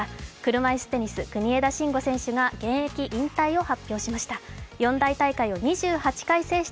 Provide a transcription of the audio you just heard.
車いすテニス、国枝慎吾選手が現役引退を発表しました。